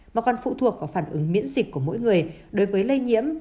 mà còn phụ thuộc vào phản ứng miễn dịch của mỗi người đối với lây nhiễm